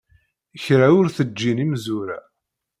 Kra ur t-ǧǧin imezwura.